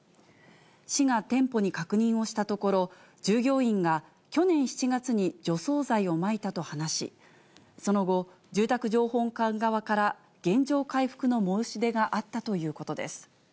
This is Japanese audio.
市が店舗に確認をしたところ、従業員が去年７月に除草剤をまいたと話し、その後、住宅情報館側から原状回復の申し出があったということです。